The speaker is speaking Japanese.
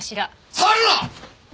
触るな！